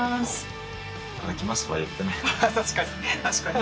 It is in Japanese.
確かに。